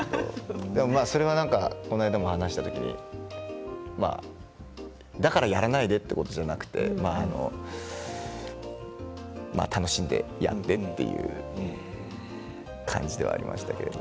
でもそれはこの間、話したときにだから、やらないでということではなくて楽しんでやってっていう感じではありました。